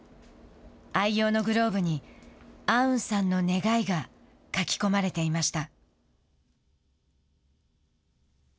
愛用のグローブにアウンさんの願いが書き込まれていました。